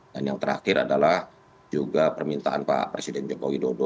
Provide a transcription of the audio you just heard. dan yang terakhir adalah juga permintaan pak presiden joko widodo